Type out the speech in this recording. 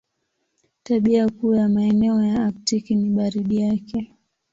Tabia kuu ya maeneo ya Aktiki ni baridi yake.